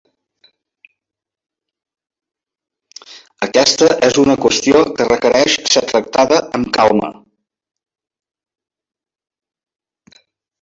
Aquesta és una qüestió que requereix ser tractada amb calma.